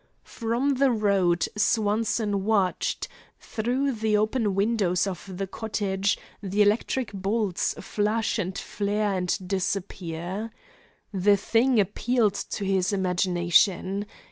From the road Swanson watched, through the open windows of the cottage, the electric bolts flash and flare and disappear. The thing appealed to his imagination.